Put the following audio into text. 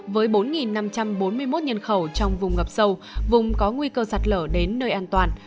với bốn năm trăm bốn mươi một nhân khẩu trong vùng ngập sâu vùng có nguy cơ sạt lở đến nơi an toàn